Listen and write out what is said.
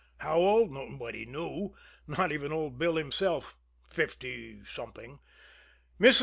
How old? Nobody knew not even old Bill himself fifty something. Mrs.